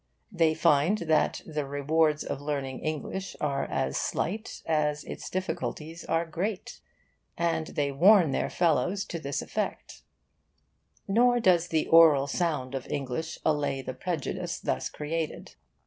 They find that the rewards of learning English are as slight as its difficulties are great, and they warn their fellows to this effect. Nor does the oral sound of English allay the prejudice thus created.